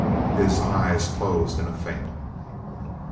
His eyes closed in a faint.